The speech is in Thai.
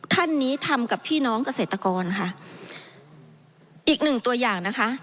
ท่านนี้ทำกับพี่น้องเกษตรกรค่ะอีกหนึ่งตัวอย่างนะคะ